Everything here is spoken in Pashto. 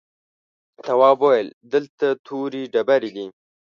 تواب وويل: دلته تورې ډبرې دي.